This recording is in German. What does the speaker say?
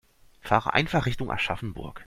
Fahre einfach Richtung Aschaffenburg